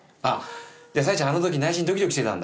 じゃあサエちゃんあの時内心ドキドキしてたんだ。